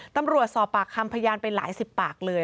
ตำรวจสอบปากคำพยานไปหลายสิบปากเลย